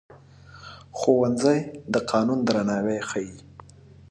ښوونځی د قانون درناوی ښيي